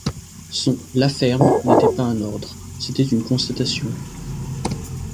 Son « la ferme » n’était pas un ordre : c’était une constatation.